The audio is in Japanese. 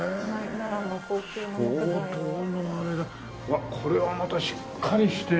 わっこれはまたしっかりして。